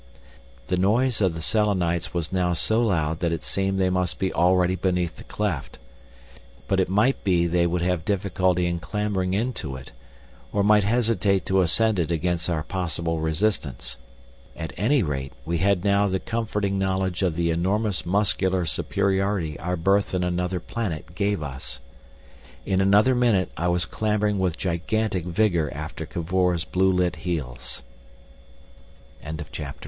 The noise of the Selenites was now so loud that it seemed they must be already beneath the cleft. But it might be they would have difficulty in clambering in to it, or might hesitate to ascend it against our possible resistance. At any rate, we had now the comforting knowledge of the enormous muscular superiority our birth in another planet gave us. In other minute I was clambering with gigantic vigour after Cavor's blue lit heels. XVII. The Fight